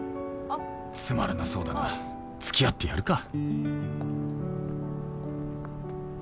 つまらなそうだが付き合ってやるか